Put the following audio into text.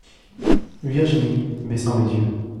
Virginie , baissant les yeux.